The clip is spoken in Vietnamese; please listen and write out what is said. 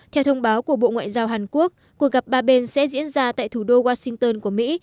theo thông báo của bộ ngoại giao hàn quốc cuộc gặp ba bên sẽ diễn ra tại thủ đô washington của mỹ